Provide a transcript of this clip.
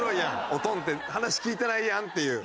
オトンって話聞いてないやんっていう。